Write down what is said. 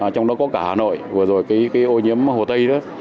trong đó có cả hà nội vừa rồi cái ô nhiễm hồ tây đó